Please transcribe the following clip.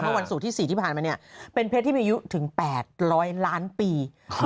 วันศุกร์ที่๔ที่ผ่านมาเนี่ยเป็นเพชรที่มีอายุถึง๘๐๐ล้านปี